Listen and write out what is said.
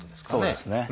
そうですね。